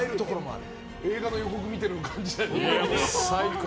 映画の予告見てる感じだった。